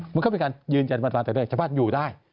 มันก็เป็นการยืนเจ้าบ้านแต่เดิมเจ้าบ้านอยู่ได้